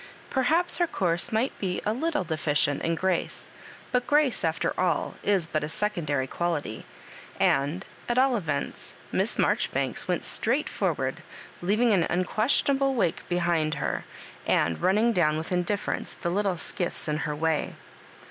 Per haps her course might be a little deficient in grace, but grace, after all, is but a secondary quality; and, at all events, Miss Maijoribanks went straight forward, leaving an unquestionable wake behing her, and running down with indif ference the little skiffs in her way.